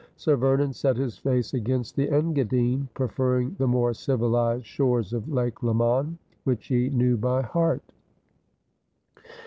Sir Vernon set his face against the Engadine, preferring the more civilised shores of Lake Leman, which he knew by heart.